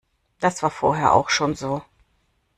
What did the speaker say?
Das war vorher auch schon so.